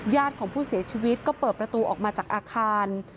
ของผู้เสียชีวิตก็เปิดประตูออกมาจากอาคาร